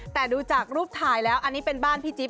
แต่ดูจากรูปถ่ายแล้วอันนี้เป็นบ้านพี่จิ๊บ